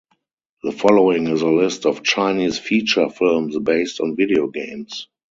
The following is a list of Chinese feature films based on video games.